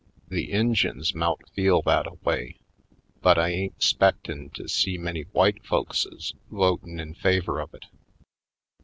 The Injuns mout feel that a way but I ain't 'spectin' to see many w'ite folkses votin' in favor of it.